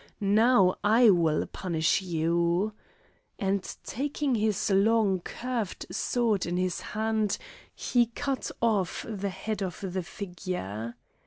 Now I will punish you," and taking his long, curved sword in his hand he cut off the head of the figure.